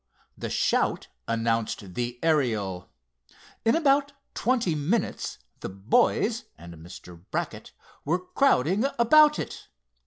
The shout announced the Ariel. In about twenty minutes the boys and Mr. Brackett were crowding about it.